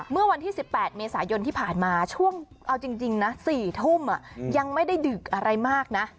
เมื่อวันที่๑๘เมษายนที่ผ่านมาช่วงเอาจริงนะ๔ทุ่มยังไม่ได้ดึกอะไรมากนะ